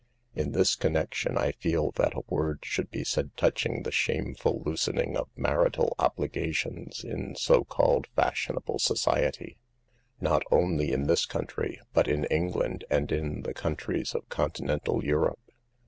In this connection I feel that a word should be said touching the shameful loosening of marital obligations in so called fashionable society, not only in this country, but in Eng land and in the countries of continental Europe.